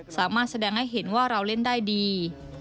สามารถแสดงให้เห็นว่าเราเล่นได้ดี